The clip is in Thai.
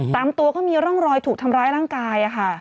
ตามตัวก็มีร่องรอยถูกทำร้ายร่างกายค่ะ